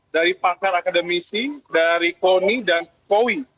dari pakar akademisi dari koni dan kowi